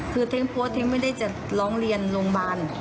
คือเท้งโพสต์ทิ้งไม่ได้จะร้องเรียนโรงพยาบาล